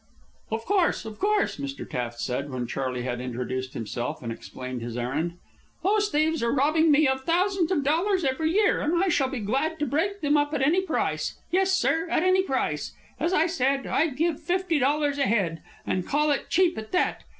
"Of course, of course," Mr. Taft said, when Charley had introduced himself and explained his errand. "Those thieves are robbing me of thousands of dollars every year, and I shall be glad to break them up at any price, yes, sir, at any price. As I said, I'll give fifty dollars a head, and call it cheap at that.